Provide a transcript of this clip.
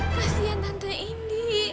kasian tante ini